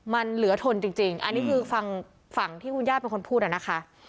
มันเหลือทนจริงอันนี้คือฟังฝั่งที่คุณย่าเป็นคนพูดนะคะ